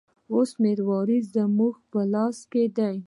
اوس مروارید زموږ په لاس کې دی.